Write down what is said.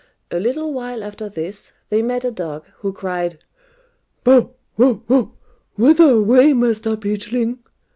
A little while after this, they met a dog, who cried "Bow! wow! wow! whither away, Master Peachling?"